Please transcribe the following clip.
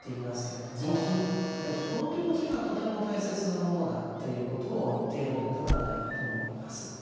この気持ちがとても大切なものだということを言っているのではないかと思います。